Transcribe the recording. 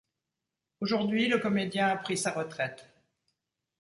Aujourd'hui, le comédien a pris sa retraite.